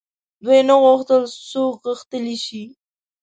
دوی نه غوښتل څوک غښتلي شي.